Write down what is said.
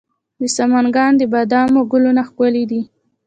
د سمنګان د بادامو ګلونه ښکلي دي.